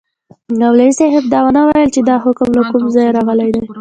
مولوي صاحب دا ونه ویل چي دا حکم له کومه ځایه راغلی دی.